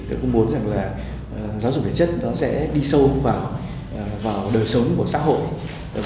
tôi cũng muốn rằng là giáo dục thể chất nó sẽ đi sâu vào đời sống của xã hội